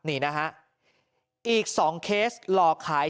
อีก๒เคสหลอกขาย